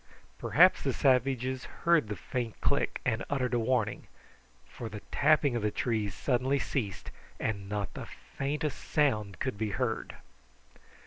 Perhaps the savages heard the faint click, and uttered a warning, for the tapping of the trees suddenly ceased, and not the faintest sound could be heard.